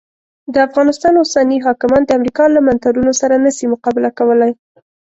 د افغانستان اوسني حاکمان د امریکا له منترونو سره نه سي مقابله کولای.